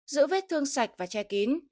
giữ vết thương sạch và che kín